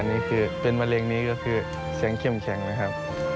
อันนี้คือเป็นมะเร็งนี้ก็คือเสียงเข้มแข็งนะครับ